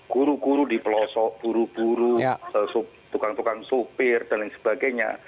kuru kuru di pelosok puru puru tukang tukang sopir dan lain sebagainya